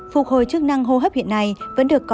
phục hồi chức năng hô hấp hiện nay vẫn được có